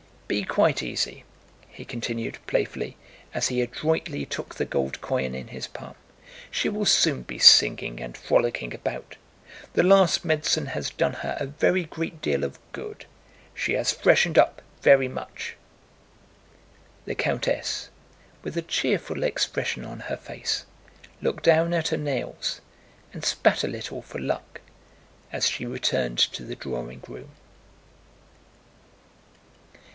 "Be quite easy," he continued playfully, as he adroitly took the gold coin in his palm. "She will soon be singing and frolicking about. The last medicine has done her a very great deal of good. She has freshened up very much." The countess, with a cheerful expression on her face, looked down at her nails and spat a little for luck as she returned to the drawing room.